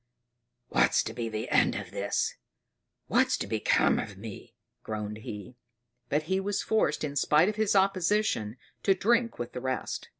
"What's to be the end of this! What's to become of me!" groaned he; but he was forced, in spite of his opposition, to drink with the rest.